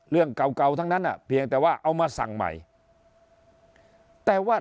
เรื่องเก่าเก่าทั้งนั้นอ่ะเพียงแต่ว่าเอามาสั่งใหม่แต่ว่า